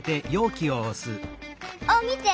あっみて！